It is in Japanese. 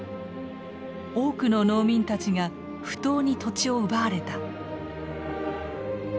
多くの農民たちが不当に土地を奪われた。